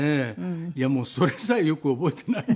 いやもうそれさえよく覚えていないんですけども。